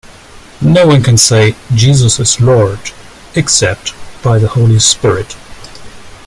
No one can say 'Jesus is Lord' except by the Holy Spirit.